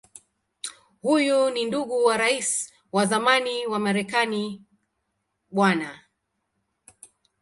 Huyu ni ndugu wa Rais wa zamani wa Marekani Bw.